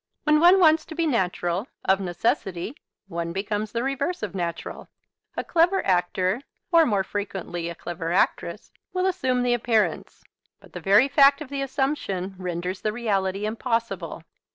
When one wants to be natural, of necessity one becomes the reverse of natural. A clever actor, or more frequently a clever actress, will assume the appearance; but the very fact of the assumption renders the reality impossible.